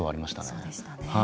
そうでしたね。